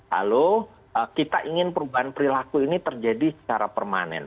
lalu kita ingin perubahan perilaku ini terjadi secara permanen